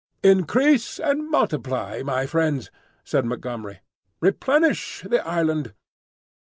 "Increase and multiply, my friends," said Montgomery. "Replenish the island.